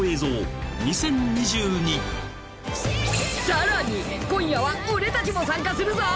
さらに今夜は俺たちも参加するぞ！